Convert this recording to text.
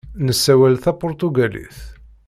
Nessawal tapuṛtugalit.